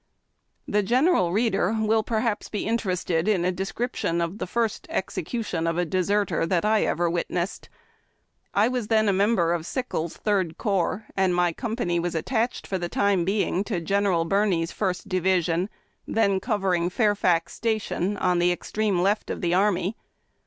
The general reader will perhaps be inter ested in the description of the first execution of a deserter that I ever witnessed. It took place about the middle of October, 1863. I was then a member of Sickles' Third Corps, and my com^iany was attached for the time being to General Birney's First Division, then covering Fairfax Sta tion, on the extreme left of the army.